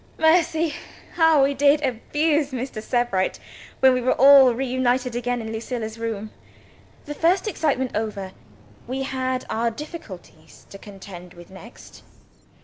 Mercy! how we did abuse Mr. Sebright, when we were all reunited again in Lucilla's room! The first excitement over, we had our difficulties to contend with next.